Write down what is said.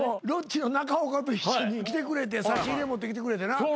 ロッチの中岡と一緒に来てくれて差し入れ持ってきてくれてな。